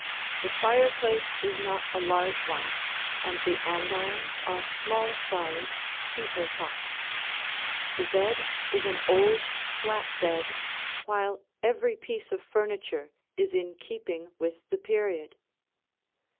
The fireplace is not a large one, and the andirons are small sized steeple tops. The bed is an old slat bed, while every piece of furniture is in keeping with the period.